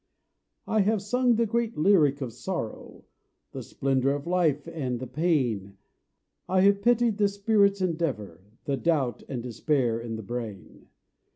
I have sung the great lyric of sorrow, The splendour of life and the pain, I have pitied the spirit's endeavour, The doubt and despair in the brain.